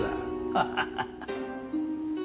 ハハハハ。